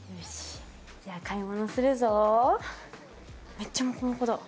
めっちゃモコモコだ。